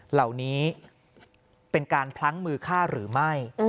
เหล่านี้เป็นการพลั้งมือฆ่าหรือไม่